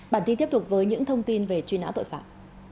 bản tin tiếp tục với những thông tin về truy nã tội phạm